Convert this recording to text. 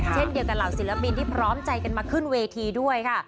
เช่นเดียวกับเหล่าศิลปินที่พร้อมใจกันมาขึ้นเวทีด้วยค่ะ